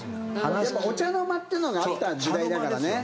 お茶の間というのがあった時代だからね。